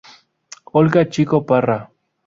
Olga Chico Parra.